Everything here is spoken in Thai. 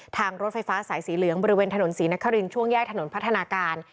รถไฟฟ้าสายสีเหลืองบริเวณถนนศรีนครินช่วงแยกถนนพัฒนาการ